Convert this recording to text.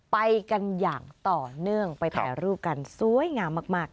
ไปกันอย่างต่อเนื่องไปถ่ายรูปกันสวยงามมาก